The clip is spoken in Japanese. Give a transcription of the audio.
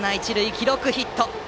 記録はヒット。